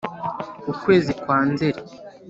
Ukwezi kwa Nzeri